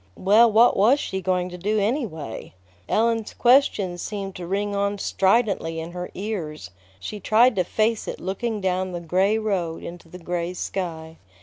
Well, what was she going to do, anyway? Ellen's question seemed to ring on stridently in her ears; she tried to face it looking down the gray road into the gray sky.